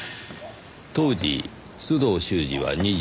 当時須藤修史は２１歳。